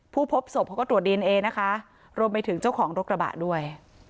พบศพเขาก็ตรวจดีเอนเอนะคะรวมไปถึงเจ้าของรถกระบะด้วย